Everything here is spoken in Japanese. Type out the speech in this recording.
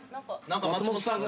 何か松本さん。